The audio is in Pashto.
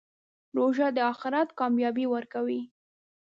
روژه د آخرت کامیابي ورکوي.